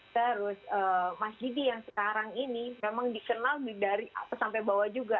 terus mas didi yang sekarang ini memang dikenal dari atas sampai bawah juga